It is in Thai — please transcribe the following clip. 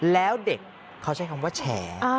แล้วเด็กเขาใช้คำว่าแฉ